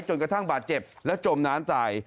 จนกระทั่งบาทเจ็บและจบน้านใส่